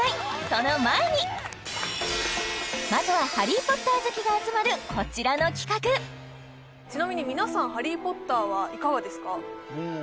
その前にまずは「ハリー・ポッター」好きが集まるこちらの企画ちなみに皆さん「ハリー・ポッター」はいかがですか？